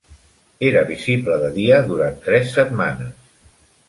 Era visible de dia durant tres setmanes.